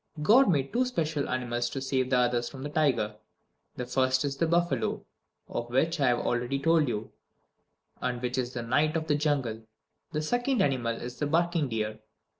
God made two special animals to save the others from the tiger. The first is the buffalo, of which I have already told you, and which is the Knight of the Jungle. The second animal is the barking deer.